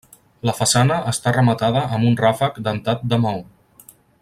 La façana està rematada amb un ràfec dentat de maó.